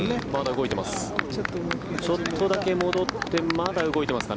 まだ動いています。